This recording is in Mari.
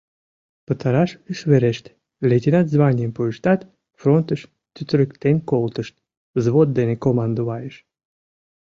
Пытараш ыш верешт, лейтенант званийым пуыштат, фронтыш тӱтырыктен колтышт, взвод дене командовайыш.